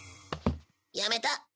やめた。